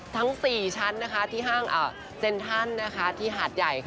ทั้ง๔ชั้นที่ห้างเซ็นทรัลที่หาดใหญ่